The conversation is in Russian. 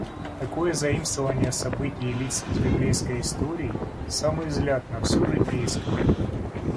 Такое заимствование событий и лиц из библейской истории, самый взгляд на всё житейское.